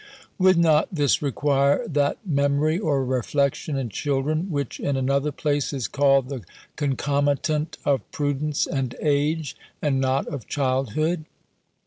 Would not this require that memory or reflection in children, which, in another place, is called the concomitant of prudence and age, and not of childhood?